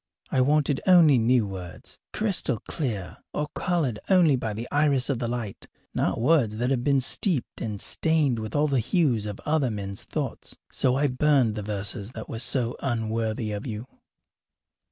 I wanted only new words, crystal clear or coloured only by the iris of the light, not words that have been steeped and stained with all the hues of other men's thoughts. So I burned the verses that were so unworthy of you.